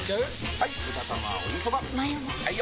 ・はい！